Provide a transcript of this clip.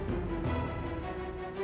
sampai lupa anak